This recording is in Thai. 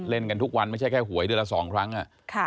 เล่นกันทุกวันไม่ใช่แค่หวยเดือนละ๒ครั้ง